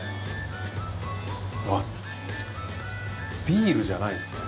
ビールじゃないですね。